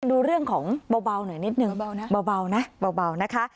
ดูเรื่องของเบาหน่อยนิดนึงเบานะเบานะคะ